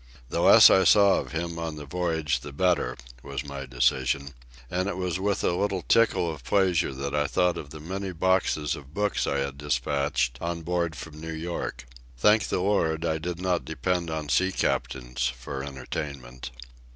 The less I saw of him on the voyage the better, was my decision; and it was with a little tickle of pleasure that I thought of the many boxes of books I had dispatched on board from New York. Thank the Lord, I did not depend on sea captains for entertainment.